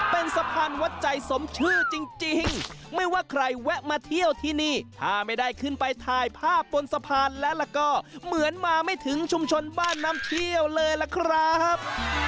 เป็นสะพานวัดใจสมชื่อจริงไม่ว่าใครแวะมาเที่ยวที่นี่ถ้าไม่ได้ขึ้นไปถ่ายภาพบนสะพานแล้วก็เหมือนมาไม่ถึงชุมชนบ้านน้ำเที่ยวเลยล่ะครับ